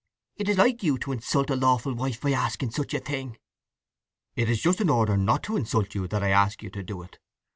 "It is like you to insult a lawful wife by asking such a thing!" "It is just in order not to insult you that I ask you to do it.